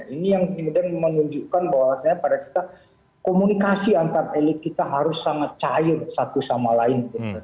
ini yang kemudian menunjukkan bahwa komunikasi antara elit kita harus sangat cair satu sama lain